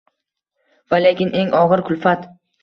Va lekin eng og’ir kulfat –